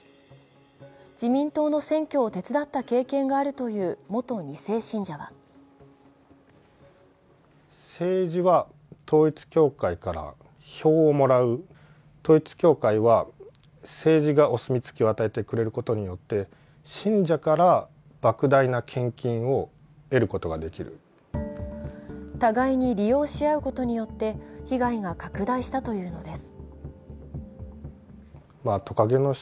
自民党の選挙を手伝った経験があるという元２世信者は互いに利用し合うことによって被害が拡大したというのです。